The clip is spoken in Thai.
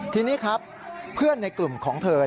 ทีนี้ครับเพื่อนในกลุ่มของเธอ